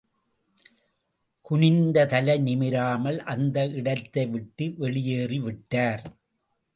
குனிந்த தலை நிமிராமல் அந்த இடத்தை விட்டு வெளியேறிவிட்டார்.